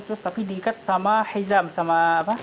terus tapi diikat sama hezam sama apa